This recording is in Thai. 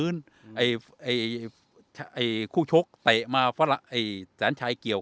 เอ่ยเอ่ยเอ่ยโค้กชกเตะมาฟังละเอ่ยแสนชัยเกี่ยว